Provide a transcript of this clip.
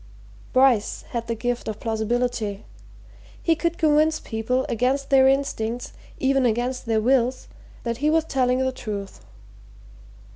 Bryce had the gift of plausibility he could convince people, against their instincts, even against their wills, that he was telling the truth.